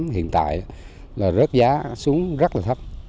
hiện tại rớt giá xuống rất là thấp